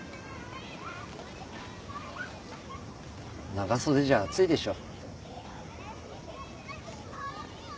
長袖じゃ暑いでしょ？